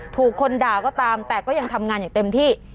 ถูกคนด่าก็ตามแต่ก็ยังทำงานอย่างเต็มที่